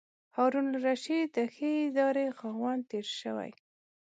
هارون الرشید د ښې ادارې خاوند تېر شوی.